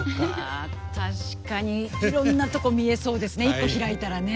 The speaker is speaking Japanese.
あ確かにいろんなとこ見えそうですね一個開いたらね。